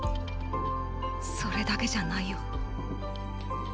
それだけじゃないよ。